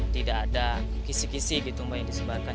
tidak ada kisih kisih gitu mbak yang disebarkan